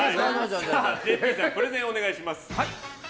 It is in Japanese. ＪＰさんプレゼンをお願いします。